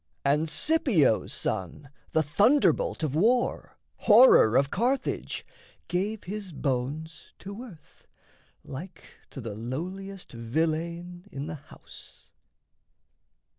And Scipio's son, the thunderbolt of war, Horror of Carthage, gave his bones to earth, Like to the lowliest villein in the house.